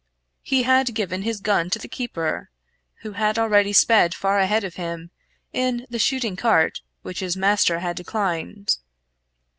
He had given his gun to the keeper, who had already sped far ahead of him, in the shooting cart which his master had declined.